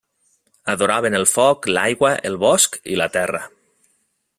Adoraven el foc, l'aigua, el bosc i la terra.